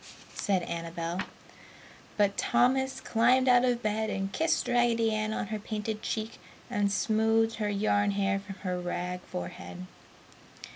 said Annabel. But Thomas climbed out of bed and kissed Raggedy Ann on her painted cheek and smoothed her yarn hair from her rag forehead.